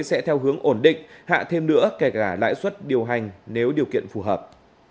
sẽ theo hướng ổn định hạ thêm nữa kể cả lãi suất điều hành nếu điều kiện phù hợp